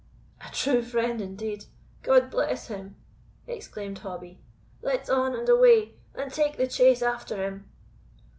"A true friend indeed; God bless him!" exclaimed Hobbie; "let's on and away, and take the chase after him."